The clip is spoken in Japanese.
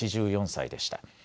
８４歳でした。